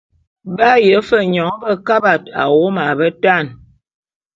B’aye fe nyoň bekabat awom a betan.